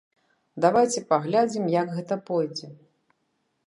Давайце паглядзім, як гэта пойдзе.